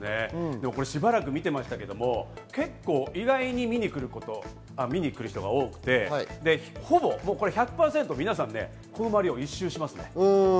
しばらく見てましたけど、意外に見に来る人が多くて、ほぼ１００％、皆さん、この周りを一周します。